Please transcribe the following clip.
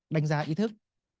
đánh giá ý thức